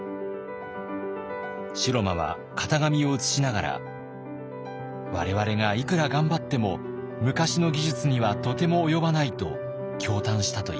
城間は型紙を写しながら「我々がいくら頑張っても昔の技術にはとても及ばない」と驚嘆したといいます。